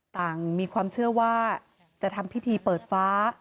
ต่างมีความเชื่อว่าจะทำพิธีเปิดฟ้า